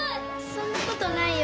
そんなことないよ。